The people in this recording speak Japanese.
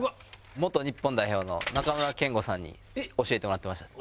元日本代表の中村憲剛さんに教えてもらってましたね。